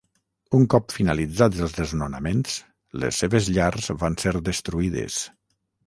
Un cop finalitzats els desnonaments, les seves llars van ser destruïdes.